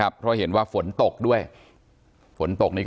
การแก้เคล็ดบางอย่างแค่นั้นเอง